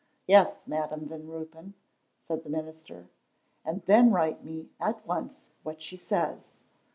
"Yes, Madam Van Ruypen," said the minister. "And then write me at once what she says.